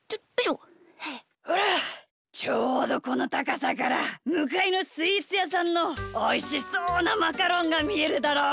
ほらちょうどこのたかさからむかいのスイーツやさんのおいしそうなマカロンがみえるだろ？